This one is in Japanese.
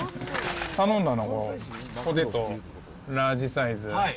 頼んだの、このポテトラージサイズ。